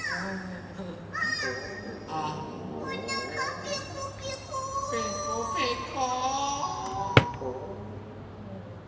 ペコペコ。